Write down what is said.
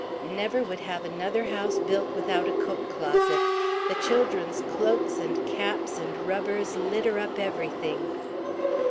"... never would have another house built without a coat closet. The children's cloaks and caps and rubbers litter up everything."